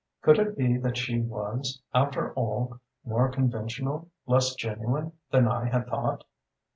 Could it be that she was, after all, more conventional, less genuine, than I had thought?